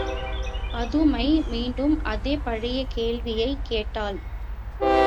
பதுமை மீண்டும் அதே பழைய கேள்வியைக் கேட்டாள்.